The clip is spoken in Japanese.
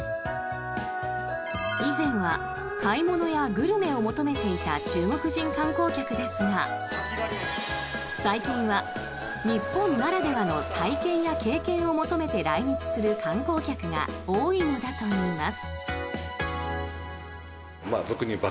以前は買い物やグルメを求めていた中国人観光客ですが最近は日本ならではの体験や経験を求めて来日する観光客が多いのだといいます。